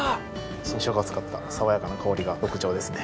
新しょうがを使った爽やかな香りが特徴ですね。